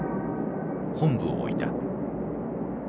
本部を置いた。